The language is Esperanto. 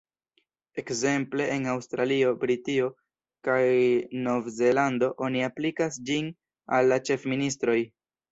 Ekzemple en Aŭstralio, Britio kaj Novzelando oni aplikas ĝin al la ĉefministroj.